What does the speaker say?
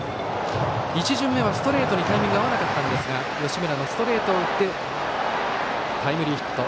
１巡目はストレートにタイミングが合わなかったんですが吉村のストレートを打ってタイムリーヒット。